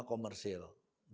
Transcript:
terima kasih juga